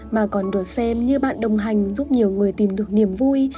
mà còn được xem như bạn đồng hành giúp nhiều người tìm được niềm vui